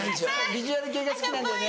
ビジュアル系が好きなんだよね。